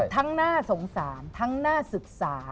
ทั้งหน้าสงสารทั้งหน้าศึกษา